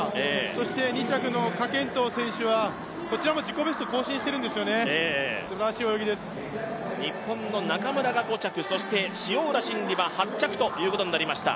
そして２着の何甄陶選手はこちらも自己ベスト更新してるんですよね、日本の中村が５着、そして塩浦慎理は８着ということになりました。